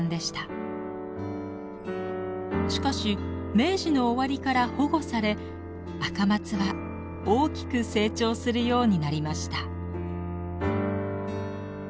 しかし明治の終わりから保護されアカマツは大きく成長するようになりました。